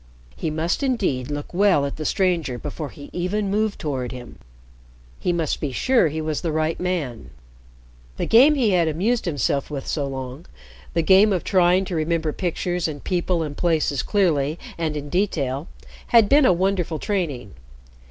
He must indeed look well at the stranger before he even moved toward him. He must be sure he was the right man. The game he had amused himself with so long the game of trying to remember pictures and people and places clearly and in detail had been a wonderful training.